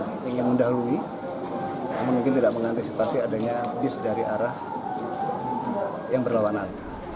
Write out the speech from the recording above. kita ingin mendahului namun mungkin tidak mengantisipasi adanya bis dari arah yang berlawanan